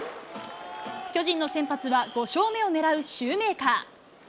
巨人の先発は、５勝目を狙うシューメーカー。